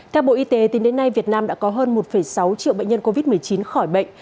theo bộ y tế tính đến nay việt nam đã có hơn một sáu triệu bệnh nhân covid một mươi chín khỏi bệnh